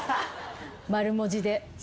丸文字で。